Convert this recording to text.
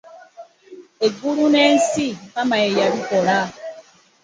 Eggulu n'ensi Mukama ye yabikola.